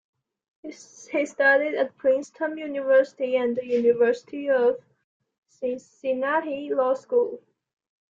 He studied at Princeton University and the University of Cincinnati Law School.